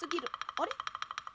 あれ？